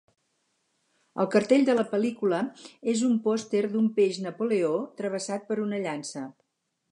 El cartell de la pel·lícula és un potser d'un peix napoleó travessat amb una llança.